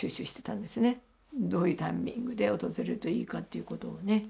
どういうタイミングで訪れるといいかっていうことをね。